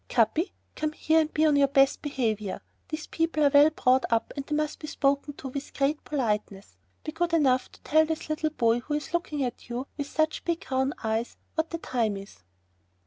"Capi, come here, and be on your best behavior. These people are well brought up, and they must be spoken to with great politeness. Be good enough to tell this little boy who is looking at you with such big, round eyes what time it is."